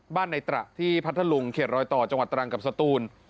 ในตระที่พัทธลุงเขตรอยต่อจังหวัดตรังกับสตูน